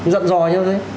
dặn dò như thế